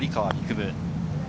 夢。